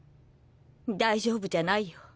大丈夫じゃないよ。